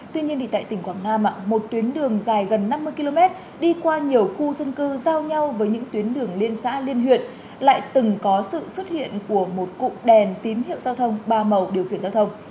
tuy nhiên tại tỉnh quảng nam một tuyến đường dài gần năm mươi km đi qua nhiều khu dân cư giao nhau với những tuyến đường liên xã liên huyện lại từng có sự xuất hiện của một cụm đèn tín hiệu giao thông ba màu điều khiển giao thông